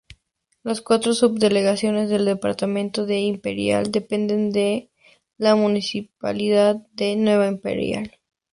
Las cuatro subdelegaciones del departamento de Imperial dependen de la Municipalidad de Nueva Imperial.